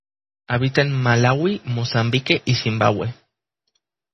Habita en Malaui, Mozambique y Zimbabue.